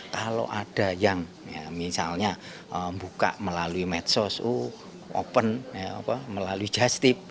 kalau ada yang misalnya buka melalui medsos open melalui just tip